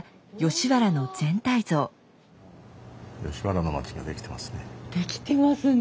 吉原の町ができてますね。